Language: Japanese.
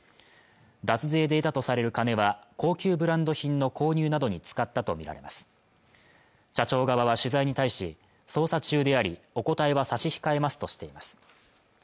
脱税で得たとされる金は高級ブランド品の購入などに使ったと見られます社長側は取材に対し捜査中でありお答えは差し控えますとしています